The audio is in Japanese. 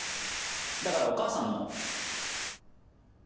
だからお母さんも。